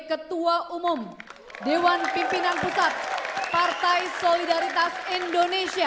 ketua umum dewan pimpinan pusat partai solidaritas indonesia